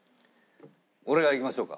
俺が言いましょうか？